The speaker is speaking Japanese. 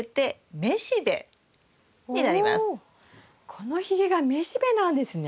このひげが雌しべなんですね？